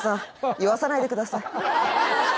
言わさないでください